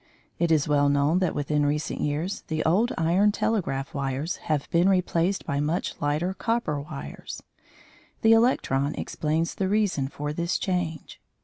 It is well known that within recent years the old iron telegraph wires have been replaced by much lighter copper wires; the electron explains the reason for this change.